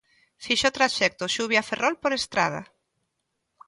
Fixo o traxecto Xubia-Ferrol por estrada.